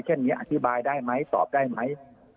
เช่นนี้อธิบายได้ไหมตอบได้ไหม